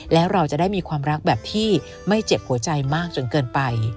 แล้วเราจะได้มีความรักแบบที่ไม่เจ็บหัวใจมากจนเกินไป